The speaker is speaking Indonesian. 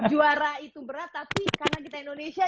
juara itu berat tapi karena kita indonesia